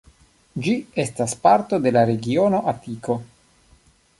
Ĝi estas parto de la regiono Atiko.